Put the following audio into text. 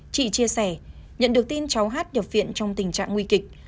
chị chia sẻ nhận được tin cháu hát nhập viện trong tình trạng nguy kịch